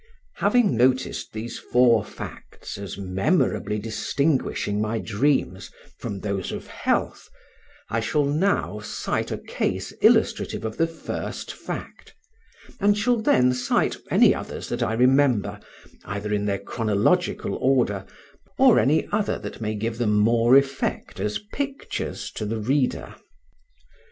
Having noticed these four facts as memorably distinguishing my dreams from those of health, I shall now cite a case illustrative of the first fact, and shall then cite any others that I remember, either in their chronological order, or any other that may give them more effect as pictures to the reader.